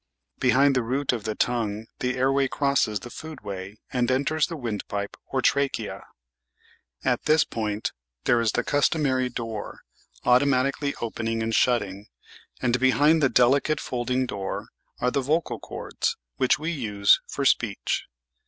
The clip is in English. Behind the root of the tongue the air way crosses the food way and enters the windpipe or trachea. At this point there is 388 The Outline of Science the customary '"door," automatically opening and shutting; and behind this delicate folding door are the "vocal chords" which we use for speech.